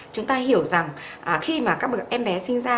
chúng ta hiểu rằng khi mà các em bé sinh ra